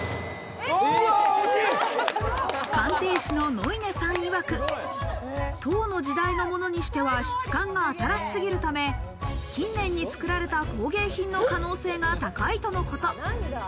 鑑定士の野稲さんいわく、唐の時代のものにしては質感が新しすぎるため、近年に作られた工芸品の可能性が高いとのこと。